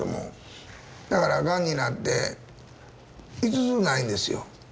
だからがんになって５つないんですよ。